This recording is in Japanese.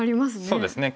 そうですね